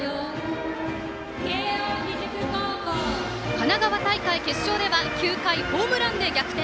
神奈川大会決勝では９回ホームランで逆転。